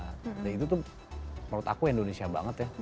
nah itu tuh menurut aku indonesia banget ya